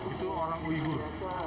itu orang uyghur